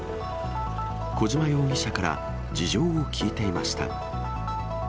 小島容疑者から事情を聴いていました。